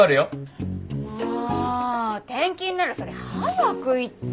もう転勤ならそれ早く言ってよ。